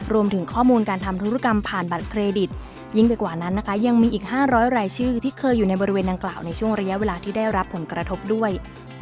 รวมถึงข้อมูลการทำธุรกรรมผ่านบัตรเครดิตยิ่งไปกว่านั้นนะคะยังมีอีก๕๐๐รายชื่อที่เคยอยู่ในบริเวณดังกล่าวในช่วงระยะเวลาที่ได้รับผลกระทบด้วย